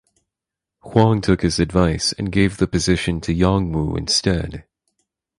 Huang took his advice and gave the position to Yang Wu instead.